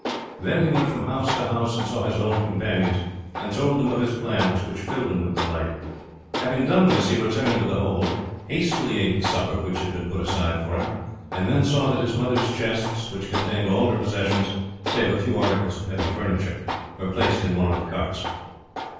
Then he went from house to house and saw his old companions, and told them of his plans, which filled them with delight. Having done this he returned to the hold, hastily ate the supper which had been put aside for him, and then saw that his mother's chests, which contained all her possessions save a few articles of heavy furniture, were placed in one of the carts.